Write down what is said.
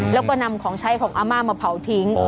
แล้วก็นำของใช้ของอาม่ามาเผาทิ้ง